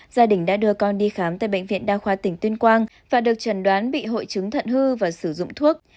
gia đình đã đưa con đi khám tại bệnh viện đa khoa tỉnh tuyên quang và được trần đoán bị hội chứng thận hư và sử dụng thuốc